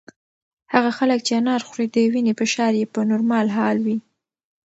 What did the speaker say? هغه خلک چې انار خوري د وینې فشار یې په نورمال حال وي.